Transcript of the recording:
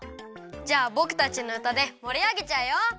じゃあぼくたちのうたでもりあげちゃうよ。